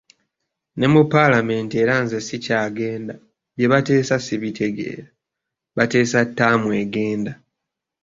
Ne mu paalamenti era nze sikyagenda, bye bateesa sibitegeera, bateesa ttaamu egenda.